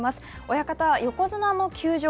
親方、横綱の休場